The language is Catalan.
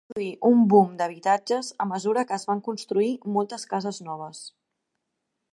Es va produir un boom d'habitatges a mesura que es van construir moltes cases noves.